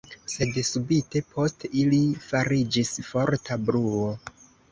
Sed subite post ili fariĝis forta bruo.